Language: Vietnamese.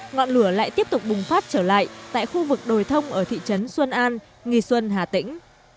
ngọn lửa lại tiếp tục bùng phát trở lại tại khu vực đồi thông ở thị trấn xuân an nghi xuân hà tĩnh